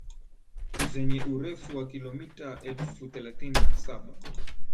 zenye urefu wa kilomitae elfu thelathini na saba